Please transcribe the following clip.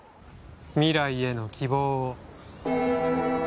未来への希望を。